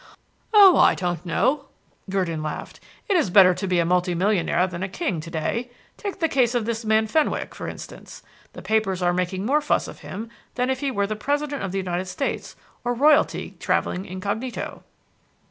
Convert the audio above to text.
"Oh, I don't know," Gurdon laughed. "It is better to be a multi millionaire than a king today. Take the case of this man Fenwick, for instance; the papers are making more fuss of him than if he were the President of the United States or royalty travelling incognito."